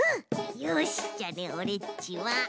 よしじゃあねオレっちはこのいろで。